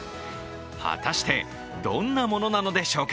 果たしてどんなものなのでしょうか。